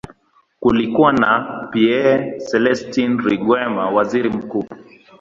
Kulikuwa na Pierre Celestin Rwigema, waziri mkuu.